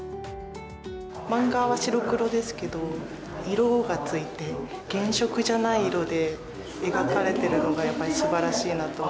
漫画は白黒ですけど、色がついて、原色じゃない色で描かれているのが、やっぱりすばら